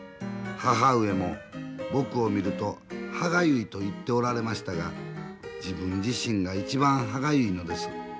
母上も僕を見るとはがゆいと言っておられましたが自分自身が一番はがゆいのです。